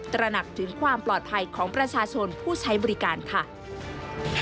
ตระหนักถึงความปลอดภัยของประชาชนผู้ใช้บริการค่ะ